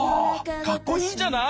かっこいいんじゃない？